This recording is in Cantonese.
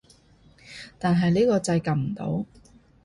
但係呢個掣撳唔到